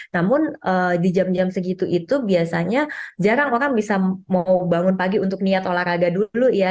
namun di jam jam segitu itu biasanya jarang orang bisa mau bangun pagi untuk niat olahraga dulu ya